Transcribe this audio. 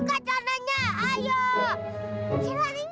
kamu udah selesai belum